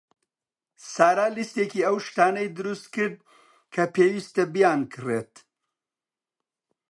سارا لیستێکی ئەو شتانەی دروست کرد کە پێویستە بیانکڕێت.